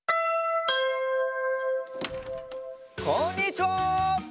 こんにちは！